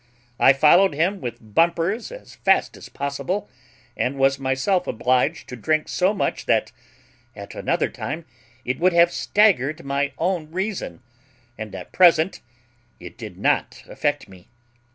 I followed him with bumpers as fast as possible, and was myself obliged to drink so much that at another time it would have staggered my own reason, but at present it did not affect me.